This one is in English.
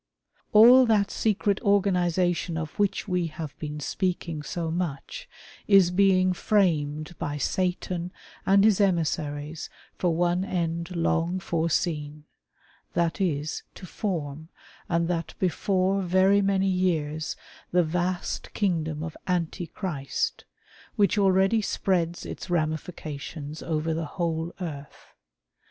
All that secret organization of which we have been speaking so much, is being framed by Satan and his emissaries for one end long foreseen — that is, to form, and that before very many years, the vast kingdom of Antichrist, which already spreads its ramifications over the whole earth.